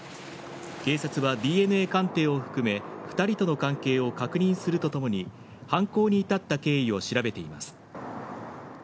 警察はＤＮＡ鑑定を含め２人との関係を確認するとともに犯行に至った経緯を調べています。